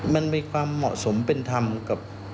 มันมีความเหมาะสมเป็นธรรมกับ